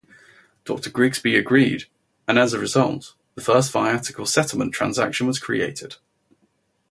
Doctor Grigsby agreed and as a result, the first viatical settlement transaction was created.